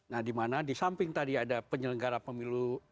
nah dimana disamping tadi ada penyelenggara pemilu